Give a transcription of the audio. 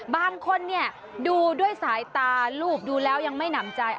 บางคนเนี่ยดูด้วยสายตารูปดูแล้วยังไม่หนำใจ